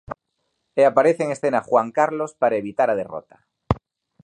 E aparece en escena Juan Carlos para evitar a derrota.